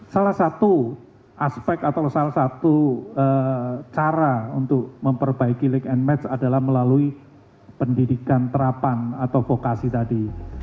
salah satu aspek atau salah satu cara untuk memperbaiki link and match adalah melalui pendidikan terapan atau vokasi tadi